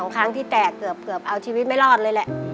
ครั้งที่แตกเกือบเอาชีวิตไม่รอดเลยแหละ